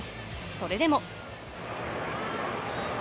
それでも。